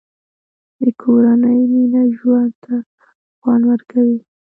د کورنۍ مینه ژوند ته خوند ورکوي.